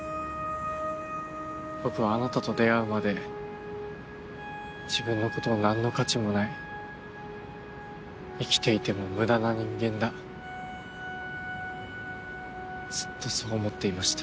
僕はあなたと出会うまで自分のことを何の価値もない生きていても無駄な人間だずっとそう思っていました。